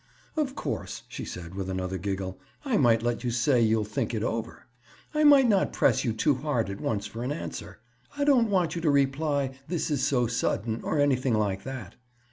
"Of course," she said with another giggle, "I might let you say you'll think it over. I might not press you too hard at once for an answer. I don't want you to reply: 'This is so sudden,' or anything like that."